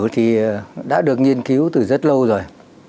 thì đã được nghiên cứu từ rất lâu rồi